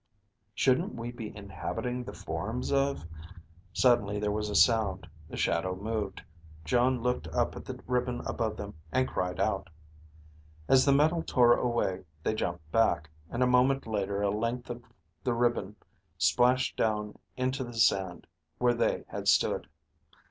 "Shouldn't we be inhabiting the forms of...." Suddenly there was a sound, the shadow moved. Jon looked up at the ribbon above them and cried out. As the metal tore away, they jumped back, and a moment later a length of the ribbon splashed down into the sand, where they had stood.